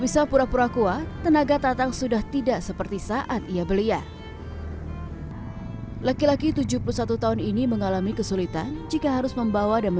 satu persatu jadi candy